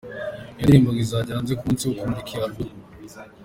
Iyo ndirimbo ngo izajya hanze ku munsi wo kumurika iyo Album.